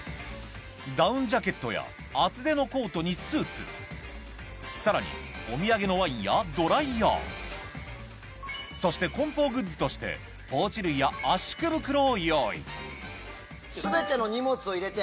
ダウンジャケットや厚手のコートにスーツさらにお土産のワインやドライヤーそして梱包グッズとしてそれでは行こう！